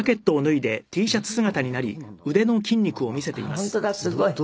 あっ本当だすごい。